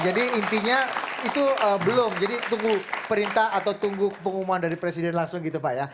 jadi intinya itu belum jadi tunggu perintah atau tunggu pengumuman dari presiden langsung gitu pak ya